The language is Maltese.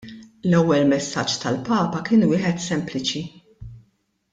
L-ewwel messaġġ tal-Papa kien wieħed sempliċi.